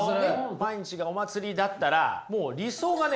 毎日がお祭りだったらもう理想がね